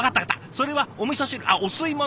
それはおみそ汁あっお吸い物？